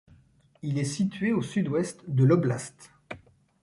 Il est situé au sud-ouest de l'oblast.